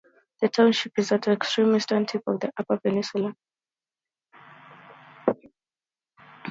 The township is at the extreme eastern tip of the Upper Peninsula.